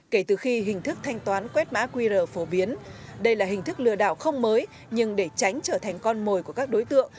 kể từ khi hình thức thanh toán quét mã qr phổ biến đây là hình thức lừa đảo không mới nhưng để tránh trở thành con mồi của các đối tượng